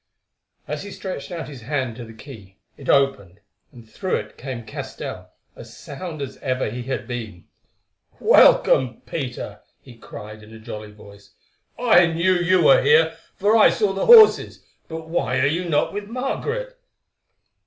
As he stretched out his hand to the key, it opened, and through it came Castell, as sound as ever he had been. "Welcome, Peter!" he cried in a jolly voice. "I knew you were here, for I saw the horses; but why are you not with Margaret?"